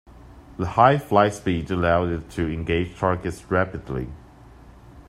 The high flight speed allows it to engage targets rapidly.